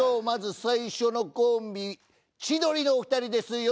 まず最初のコンビ千鳥のお二人です。